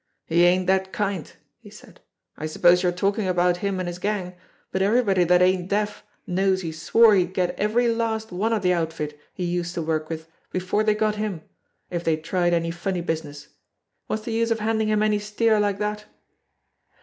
"He ain't that kind," he said. "I suppose you're talking about him and his gang, but everybody that ain't deaf knows he swore he'd get every last one of the outfit he used to work with before they got him, if they tried any funny busi ness. What's the use of handing him any steer like that?"